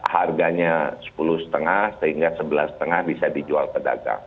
harganya rp sepuluh lima ratus sehingga rp sebelas lima ratus bisa dijual ke dagang